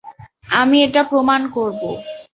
আমি এটা প্রমাণ করব।